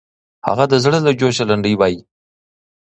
هغه د زړه له جوشه لنډۍ وایي.